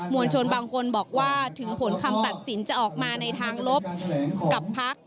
วลชนบางคนบอกว่าถึงผลคำตัดสินจะออกมาในทางลบกับพัก